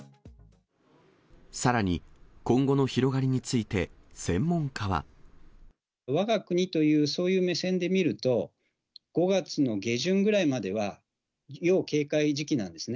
さらに、今後の広がりについわが国という、そういう目線で見ると、５月の下旬ぐらいまでは、要警戒時期なんですね。